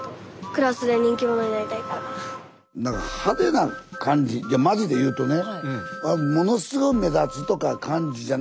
なんか派手な感じマジで言うとね